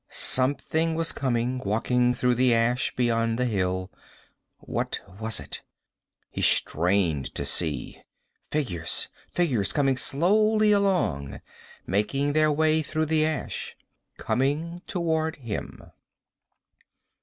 Something was coming, walking through the ash beyond the hill. What was it? He strained to see. Figures. Figures coming slowly along, making their way through the ash. Coming toward him.